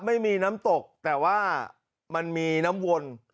ไม่มีน้ำตกแต่ว่ามันมีน้ำวน